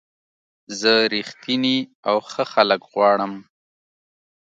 زه رښتیني او ښه خلک غواړم.